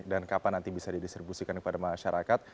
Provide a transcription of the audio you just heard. dan kapan nanti bisa didistribusikan kepada masyarakat